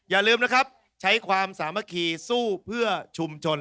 อย่าลืมนะครับใช้ความสามัคคีสู้เพื่อชุมชน